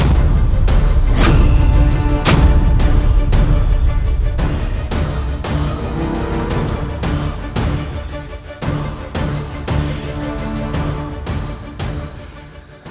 pendekar gila itu pergi